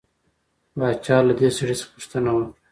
باچا له دې سړي څخه پوښتنه وکړه.